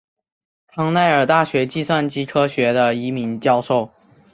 康奈尔大学计算机科学的一名教授。